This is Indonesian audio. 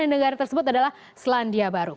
negara tersebut adalah selandia baru